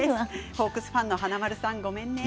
ホークスファンの華丸さんごめんね。